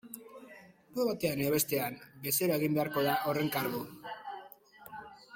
Modu batean edo bestean, bezeroa egin beharko da horren kargu.